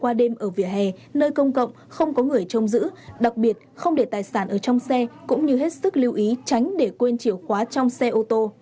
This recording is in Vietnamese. qua đêm ở vỉa hè nơi công cộng không có người trông giữ đặc biệt không để tài sản ở trong xe cũng như hết sức lưu ý tránh để quên chìa khóa trong xe ô tô